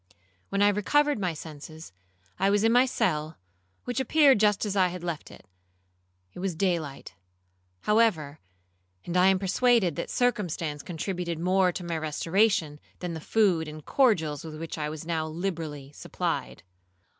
When I recovered my senses, I was in my cell, which appeared just as I had left it; it was day light, however; and I am persuaded that circumstance contributed more to my restoration, than the food and cordials with which I was now liberally supplied.